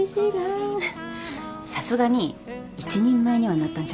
さすがに一人前にはなったんじゃないですか？